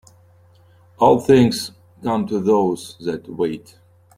All things come to those that wait.